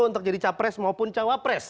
untuk jadi capres maupun cawapres